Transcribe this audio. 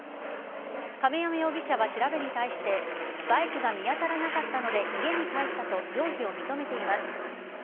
亀山容疑者は調べに対してバイクが見当たらなかったので家に帰ったと容疑を認めています。